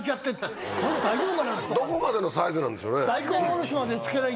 どこまでのサイズなんでしょうね？